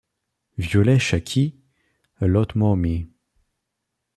Violet Chachki - A lot more me.